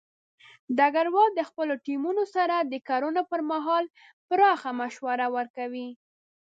ډګروال د خپلو ټیمونو سره د کړنو پر مهال پراخه مشوره ورکوي.